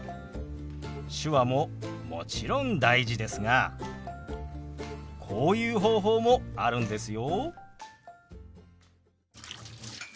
手話ももちろん大事ですがこういう方法もあるんですよ。